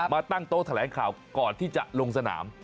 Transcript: มาตั้งโต๊ะแถลงข่าวก่อนที่จะลงสนาม